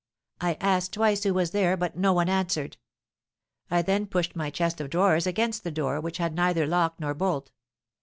I asked twice who was there, but no one answered; I then pushed my chest of drawers against the door, which had neither lock nor bolt.